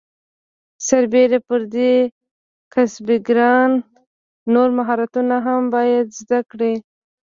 سربیره پر دې کسبګران نور مهارتونه هم باید زده کړي.